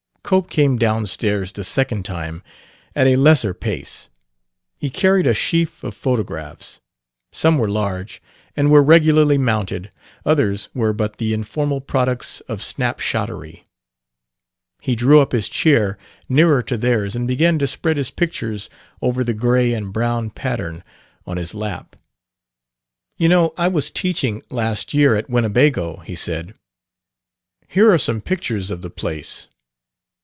Cope came down stairs the second time at a lesser pace. He carried a sheaf of photographs. Some were large and were regularly mounted; others were but the informal products of snap shottery. He drew up his chair nearer to theirs and began to spread his pictures over the gray and brown pattern on his lap. "You know I was teaching, last year, at Winnebago," he said. "Here are some pictures of the place.